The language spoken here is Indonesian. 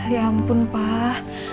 ya ampun pak